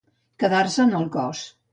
Quedar-se en el cos.